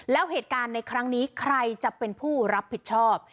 แล้วเหตุการณ์ในครั้งนี้ใครจะเป็นผู้รับผิดชอบ